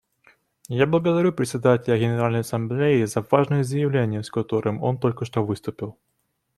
Я благодарю Председателя Генеральной Ассамблеи за важное заявление, с которым он только что выступил.